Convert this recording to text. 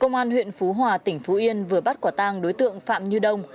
công an huyện phú hòa tỉnh phú yên vừa bắt quả tang đối tượng phạm như đông